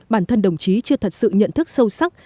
bản thân đồng chí chưa thật sự nhận thức sâu sắc